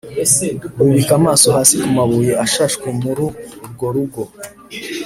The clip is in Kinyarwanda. bubika amaso hasi ku mabuye ashashwe muru rwo rugo